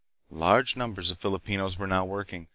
Large numbers of Filipinos were now working